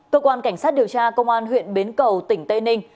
cơ quan cảnh sát điều tra công an huyện bến cầu tỉnh tây ninh